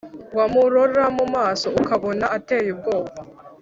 Wamurora mu maso ukabona ateye ubwoba